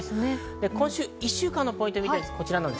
今週１週間のポイントを見ていきます。